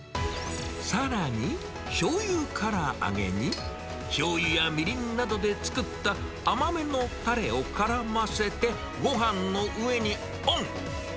さらに、しょうゆから揚げにしょうゆやみりんなどで作った甘めのたれをからませて、ごはんの上にオン。